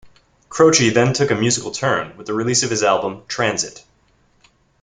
Croce then took a musical turn with the release of his album "Transit".